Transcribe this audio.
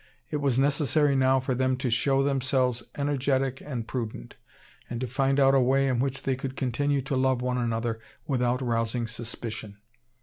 It was necessary now for them to show themselves energetic and prudent, and to find out a way in which they could continue to love one another without rousing suspicion.